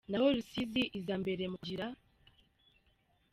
naho Rusizi iza imbere mu kugira.